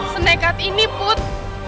senekat ini put